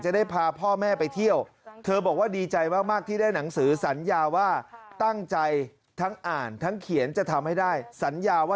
มีคุณที่เก่งจะได้พาพ่อแม่ไปเที่ยว